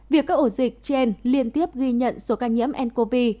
việc các ổ dịch trên liên tiếp ghi nhận số ca nhiễm ncov